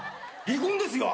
離婚ですよ！